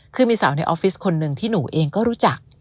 คือมีสาวในออฟฟิศคนหนึ่งที่หนูเองก็รู้จัก